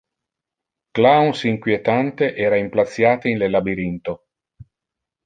Clowns inquietante era implaciate in le labyrintho.